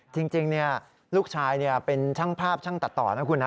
จริงลูกชายเป็นช่างภาพช่างตัดต่อนะคุณนะ